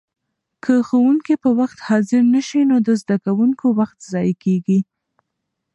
که ښوونکي په وخت حاضر نه شي نو د زده کوونکو وخت ضایع کېږي.